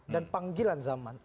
dan panggilan zaman